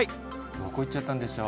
どこ行っちゃったんでしょう。